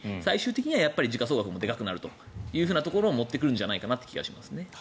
最終的には時価総額も大きくなるというところに持っていくんじゃないかと思いますね。